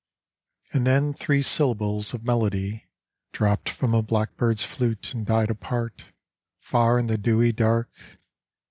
And then three syllables of melody Dropped from a blackbird's flute, and died apart Far in the dewy dark.